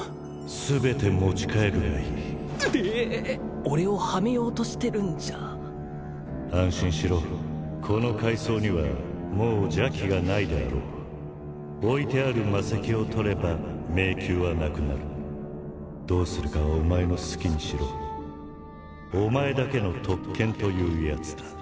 全て持ち帰るがいいって俺をハメようとしてるんじゃ安心しろこの階層にはもう邪気がないであろう置いてある魔石を取れば迷宮はなくなるどうするかはお前の好きにしろお前だけの特権というやつだ